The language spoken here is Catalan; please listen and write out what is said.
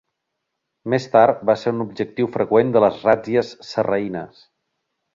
Més tard, va ser un objectiu freqüent de les ràtzies sarraïnes.